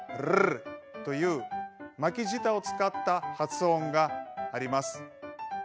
という巻き舌を使った発音があります。